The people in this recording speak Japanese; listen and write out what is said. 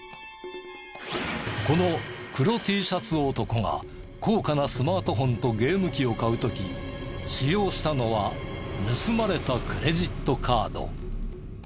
この黒Ｔシャツ男が高価なスマートフォンとゲーム機を買う時使用したのは盗まれたクレジットカード。